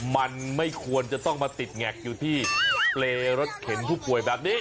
มันไม่ควรจะต้องมาติดแงกอยู่ที่เปรย์รถเข็นผู้ป่วยแบบนี้